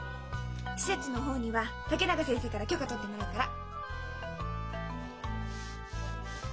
施設の方には竹永先生から許可取ってもらうから。